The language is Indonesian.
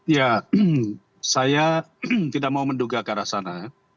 ya saya tidak mau menduga ke arah sana